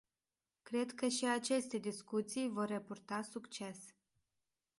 Cred că și aceste discuții vor repurta succes.